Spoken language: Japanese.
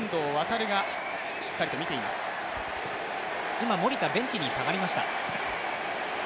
今、守田、ベンチに下がりました。